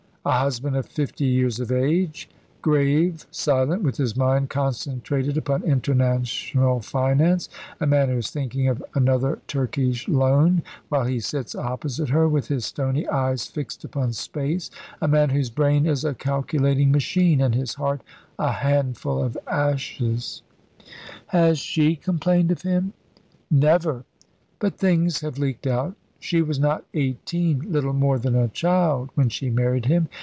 "A husband of fifty years of age, grave, silent, with his mind concentrated upon international finance; a man who is thinking of another Turkish loan while he sits opposite her, with his stony eyes fixed upon space a man whose brain is a calculating machine and his heart a handful of ashes." "Has she complained of him?" "Never; but things have leaked out. She was not eighteen little more than a child when she married him.